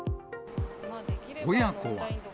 親子は。